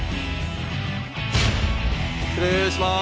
失礼します。